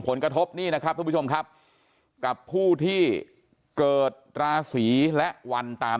ผลกระทบนี่นะครับทุกผู้ชมครับกับผู้ที่เกิดราศีและวันตาม